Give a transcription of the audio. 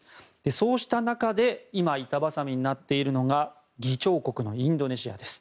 そうした中で今、板挟みになっているのが議長国のインドネシアです。